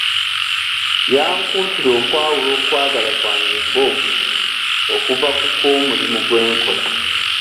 Yankuutira okwawula okwagala kwange ng'omuntu okuva ku kw'omulimu gye nkola.